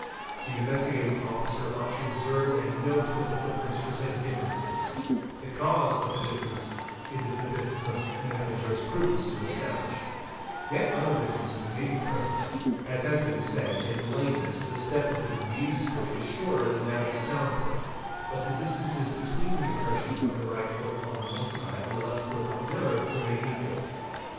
'The Investigating Officer ought to observe and note that the footprints present differences. The cause of the difference it is the business of medical jurisprudents to establish. Yet other differences may be present.. As has been said, in lameness, the step of the diseased foot is shorter than that of the sound foot, but the distances between the impressions of the right foot on one side and the left foot on the other remain equal.